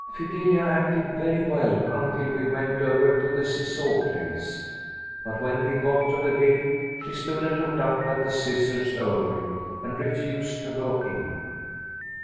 Fidelia acted very well until we went over to the Ciseaux place. But when we got to the gate she stood and looked up at the scissors over it, and refused to go in.